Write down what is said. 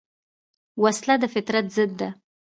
وسله د فطرت ضد ده